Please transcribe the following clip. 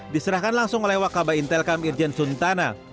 diserahkan langsung oleh wakaba intelkam irjen suntana